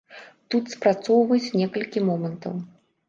Тут спрацоўваюць некалькі момантаў.